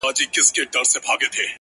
• خو هرګوره د انسان دغه آیین دی ,